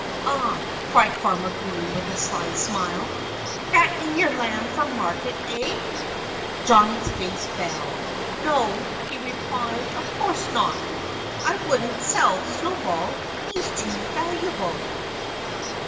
"Ah!" cried Farmer Green with a sly smile. "Fattening your lamb for market, eh?" Johnnie's face fell. "No!" he replied. "Of course not! I wouldn't sell Snowball. He's he's too valuable."